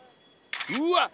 うわっ！